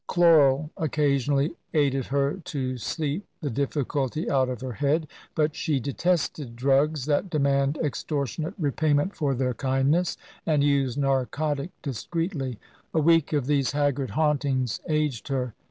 Chloral, occasionally, aided her to sleep the difficulty out of her head: but she detested drugs that demand extortionate repayment for their kindness, and used narcotic discreetly. A week of these haggard hauntings aged her.